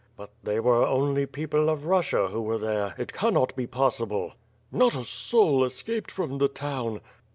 "But they were only people of Russia who were there. It cannot be possible." "Not a soul escaped from the town."